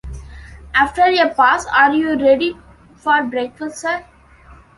After a pause: "Are you ready for breakfast, sir?"